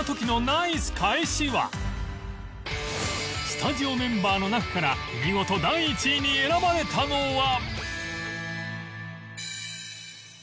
スタジオメンバーの中から見事第１位に選ばれたのは